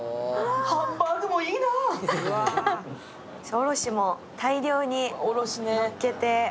おろしも大量にのっけて。